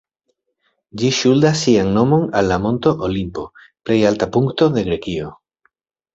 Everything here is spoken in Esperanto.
Ĝi ŝuldas sian nomon al la Monto Olimpo, plej alta punkto de Grekio.